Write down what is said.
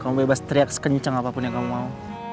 kamu bebas teriak sekencang apapun yang kamu mau